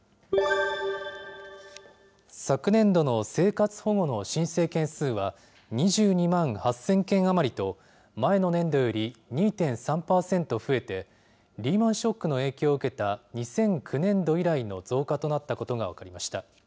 昨年度の生活保護の申請件数は、２２万８０００件余りと、前の年度より２．３％増えて、リーマンショックの影響を受けた、２００９年度以来の増加となったことが分かりました。